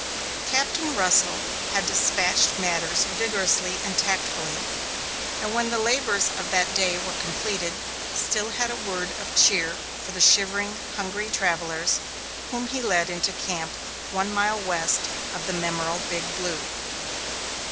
Captain Russell had despatched matters vigorously and tactfully, and when the labors of that day were completed, still had a word of cheer for the shivering, hungry travellers, whom he led into camp one mile west of the memorable Big Blue.